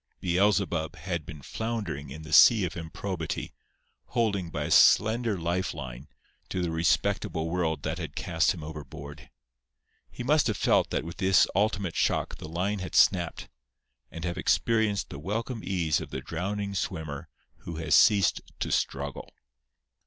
"Beelzebub" had been floundering in the sea of improbity, holding by a slender life line to the respectable world that had cast him overboard. He must have felt that with this ultimate shock the line had snapped, and have experienced the welcome ease of the drowning swimmer who has ceased to struggle.